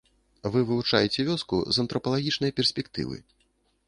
Вы вывучаеце вёску з антрапалагічнай перспектывы.